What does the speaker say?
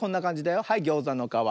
はいギョーザのかわ。